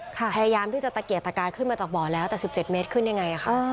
พยายามที่จะตะเกียกตะกายขึ้นมาจากบ่อแล้วแต่๑๗เมตรขึ้นยังไงค่ะ